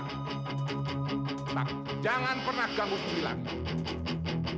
tetap jangan pernah ganggu juli lagi